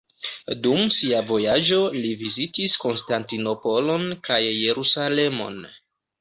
Dum sia vojaĝo li vizitis Konstantinopolon kaj Jerusalemon.